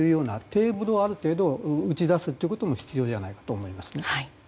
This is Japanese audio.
テーブルをある程度打ち出すということも必要じゃないかと思います。